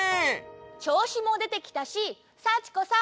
ちょうしもでてきたし幸子さん。